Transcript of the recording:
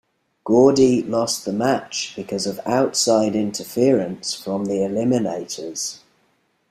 Gordy lost the match because of outside interference from The Eliminators.